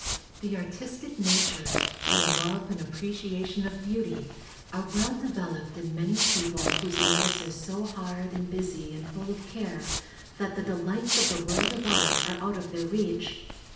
The artistic nature, and love and appreciation of beauty, are well developed in many people whose lives are so hard and busy and full of care, that the delights of the world of art are out of their reach.